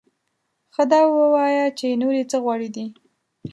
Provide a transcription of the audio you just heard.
ښه دا ووایه چې نورې څه غورې دې؟